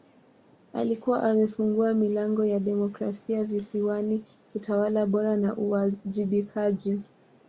Alikuwa amefungua milango ya demokrasia Visiwani utawala bora na uwajibikaji